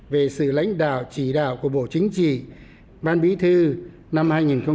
về sự lãnh đạo trí đạo của bộ chính trị ban bí thư năm hai nghìn một mươi sáu